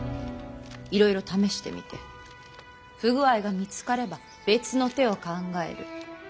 いろいろ試してみて不具合が見つかれば別の手を考える。